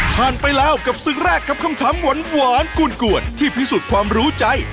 ไปแล้วกับศึกแรกกับคำถามหวานกวนที่พิสูจน์ความรู้ใจ